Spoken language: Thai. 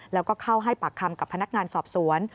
แล้วก็เข้าให้ปากคำกับพนักงานสอบสวน